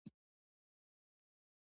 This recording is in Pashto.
د واک ناسم کارول ستونزې جوړوي